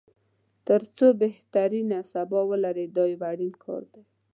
تر څو بهترینه سبا ولري دا یو اړین کار دی.